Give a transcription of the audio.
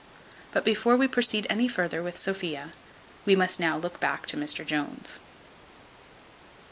But before we proceed any farther with Sophia, we must now look back to Mr Jones.